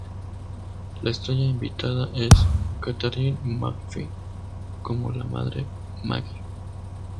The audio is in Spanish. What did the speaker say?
La estrella invitada es Katharine McPhee como la madre Maggie.